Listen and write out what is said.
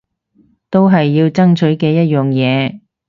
都係要爭取嘅一樣嘢